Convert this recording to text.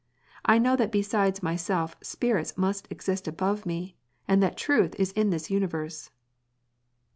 I know that besides myself spirits must exist above me, and that truth is in this universe."